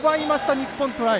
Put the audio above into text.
日本、トライ。